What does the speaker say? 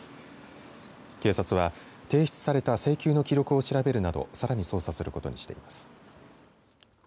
警察は、提出された請求の記録を調べるなどさらに捜査することにしています。